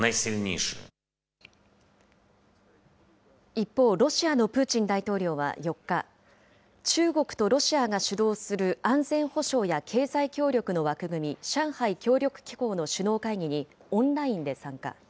一方、ロシアのプーチン大統領は４日、中国とロシアが主導する安全保障や経済協力の枠組み、上海協力機構の首脳会議にオンラインで参加。